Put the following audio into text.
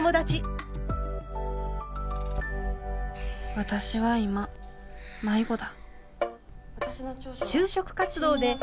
私は今迷子だ。